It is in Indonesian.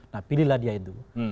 nah pilihlah dia itu